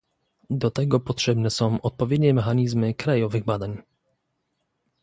Do tego potrzebne są odpowiednie mechanizmy krajowych badań